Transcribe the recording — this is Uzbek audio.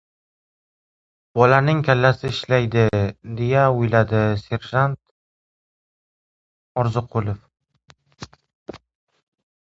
"Bolaning kallasi ishlaydi, — deya o‘yladi serjant Orziqulov.